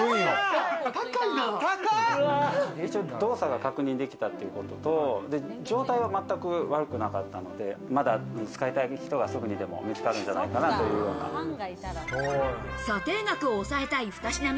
一応、動作が確認できたことと、状態は全く悪くなかったので、まだ使いたい人がすぐにでも見つかるんじゃないかなというような。